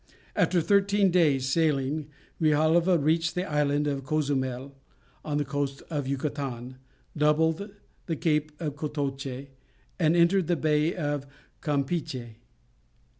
After thirteen days' sailing, Grijalva reached the Island of Cozumel on the coast of Yucatan, doubled the Cape of Cotoche, and entered the Bay of Campeachy.